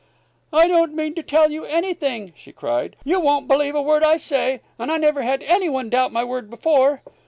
"I don't mean to tell you anything!" she cried. "You won't believe a word I say, and I never had any one doubt my word before.